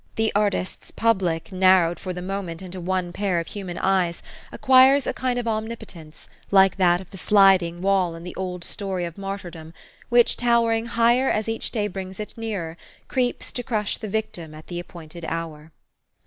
The artist's public, narrowed for the moment into one pair of human eyes, acquires a kind of omni potence, like that of the sliding wall in the old story of martyrdom, which, towering higher as each day brings it nearer, creeps to crash the victim at the appointed hour.